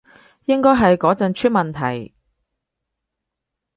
應該係嗰陣出問題